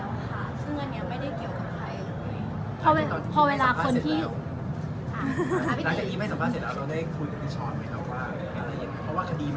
ค่ะซึ่งอันนี้ไม่ได้เกี่ยวกับใครเลย